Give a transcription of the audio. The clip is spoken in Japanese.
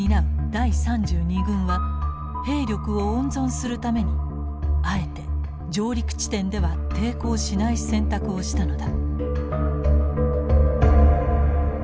第３２軍は兵力を温存するためにあえて上陸地点では抵抗しない選択をしたのだ。